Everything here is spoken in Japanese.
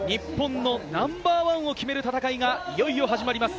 日本のナンバー１を決める戦いがいよいよ始まります。